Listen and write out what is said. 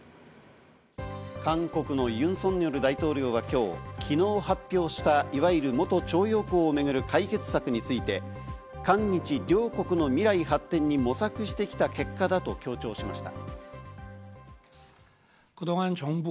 韓国のユン・ソンニョル大統領は今日、昨日発表した、いわゆる元徴用工をみぐる解決策について、韓日両国の未来発展に模索してきた結果だと強調しました。